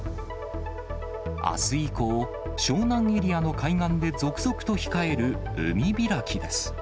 あす以降、湘南エリアの海岸で続々と控える海開きです。